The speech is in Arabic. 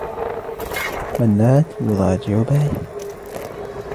منّاد يضاجع باية.